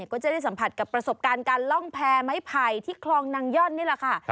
ก็จะได้สัมผัสกับประสบการณ์การล่องแพรไม้ไผ่ที่คลองนางย่อนนี่แหละค่ะ